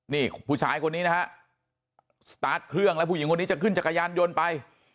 นี่ผู้ชายคนนี้นะฮะสตาร์ทเครื่องแล้วผู้หญิงคนนี้จะขึ้นจักรยานยนต์ไป